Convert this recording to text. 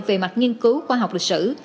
về mặt nghiên cứu khoa học lịch sử